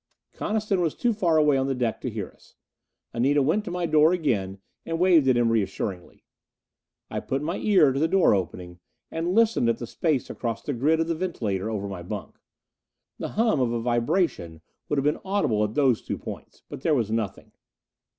Coniston was too far away on the deck to hear us. Anita went to my door again and waved at him reassuringly. I put my ear to the door opening, and listened at the space across the grid of the ventilator over my bunk. The hum of a vibration would have been audible at those two points. But there was nothing.